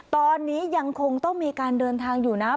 ตอนนี้ยังคงต้องมีการเดินทางอยู่นะ